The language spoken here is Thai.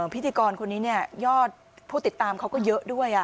พิธีกรคนนี้ยอดผู้ติดตามเขาก็เยอะด้วย